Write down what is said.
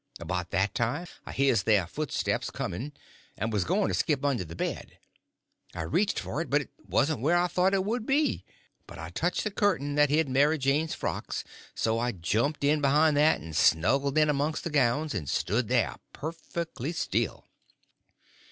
About that time I hears their footsteps coming, and was going to skip under the bed; I reached for it, but it wasn't where I thought it would be; but I touched the curtain that hid Mary Jane's frocks, so I jumped in behind that and snuggled in amongst the gowns, and stood there perfectly still.